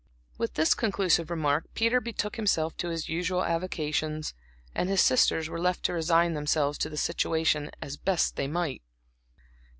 With this conclusive remark Peter betook himself to his usual avocations, and his sisters were left to resign themselves to the situation as best they might.